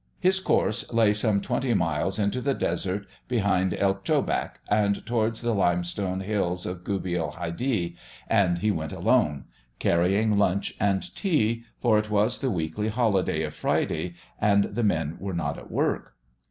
His course lay some twenty miles into the desert behind El Chobak and towards the limestone hills of Guebel Haidi, and he went alone, carrying lunch and tea, for it was the weekly holiday of Friday, and the men were not at work.